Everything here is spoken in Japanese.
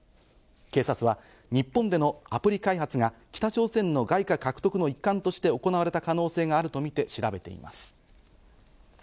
警察は日本でのアプリ開発が北朝鮮の外貨獲得の一環として行われた可能性があるとみて調べています。